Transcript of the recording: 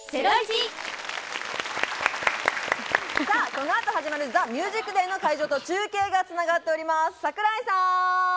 この後始まる『ＴＨＥＭＵＳＩＣＤＡＹ』の会場と中継が繋がっております、櫻井さん。